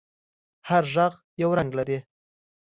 هر غږ یو رنگ لري.